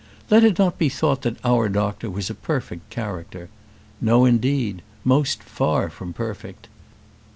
Let it not be thought that our doctor was a perfect character. No, indeed; most far from perfect.